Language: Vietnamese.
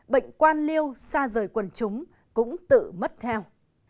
bệnh quan liêu xa rời quần chúng cũng tự mất theo